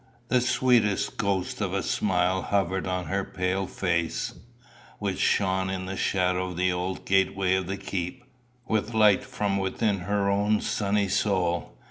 The sweetest ghost of a smile hovered on her pale face, which shone in the shadow of the old gateway of the keep, with light from within her own sunny soul.